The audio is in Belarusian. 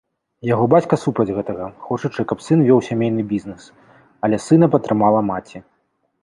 Яго бацька супраць гэтага, хочучы, каб сын вёў сямейны бізнес, але сына падтрымала маці.